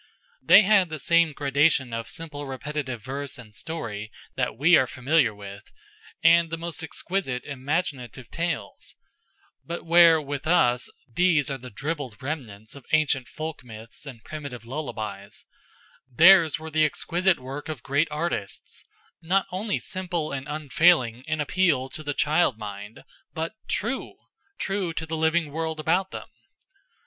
They had the same gradation of simple repetitive verse and story that we are familiar with, and the most exquisite, imaginative tales; but where, with us, these are the dribbled remnants of ancient folk myths and primitive lullabies, theirs were the exquisite work of great artists; not only simple and unfailing in appeal to the child mind, but true, true to the living world about them.